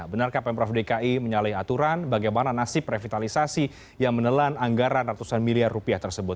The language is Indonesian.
benarkah pemprov dki menyalahi aturan bagaimana nasib revitalisasi yang menelan anggaran ratusan miliar rupiah tersebut